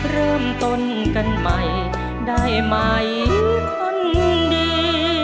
เริ่มต้นกันใหม่ได้ไหมคนดี